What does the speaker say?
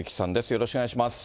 よろしくお願いします。